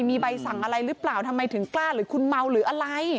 มีใบสั่งอะไรหรือเปล่าทำไมถึงกล้าหรือคุณเมาหรืออะไร